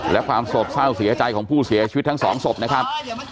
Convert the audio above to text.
และความโศกเศร้าเสียใจของผู้เสียชีวิตทั้งสองศพนะครับ